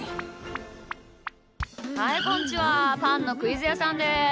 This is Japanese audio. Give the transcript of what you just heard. はいこんちはパンのクイズやさんです。